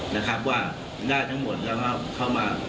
นะครับว่าน่าทั้งหมดจะเข้ามา